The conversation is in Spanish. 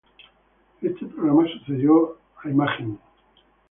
Este programa sucedió a Imaging para Windows.